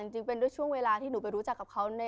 จริงเป็นด้วยช่วงเวลาที่หนูไปรู้จักกับเขา